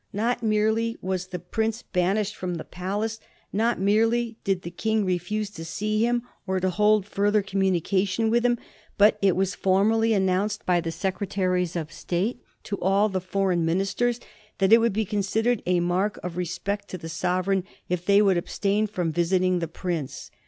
Not merely was the prince banished from the palace, not merely did the King refuse to see him or to hold further communication with him, but it was formally announced by the Secretaries of State to all the foreign ministers that it would be considered a mark of respect to the Sovereign if they would abstain from visit ing the prince.